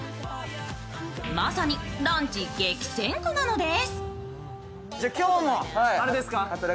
まさにランチ激戦区なのです。